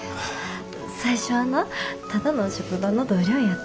最初はなただの職場の同僚やってん。